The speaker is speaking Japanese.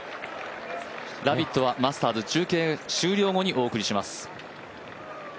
「ラヴィット！」はマスターズ中継終了後に放送します。